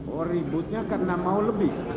oh ributnya karena mau lebih